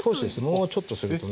もうちょっとするとね。